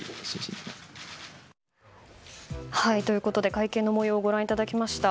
会見の模様をご覧いただきました。